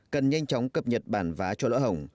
cần nhanh chóng cập nhật bản vá cho lỗ hồng